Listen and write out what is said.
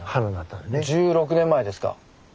１６年前ですか。